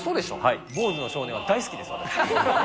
坊主の少年は大好きです。